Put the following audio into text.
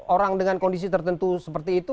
orang dengan kondisi tertentu seperti itu